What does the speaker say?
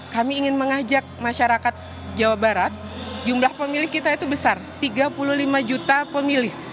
kami ingin mengajak masyarakat jawa barat jumlah pemilih kita itu besar tiga puluh lima juta pemilih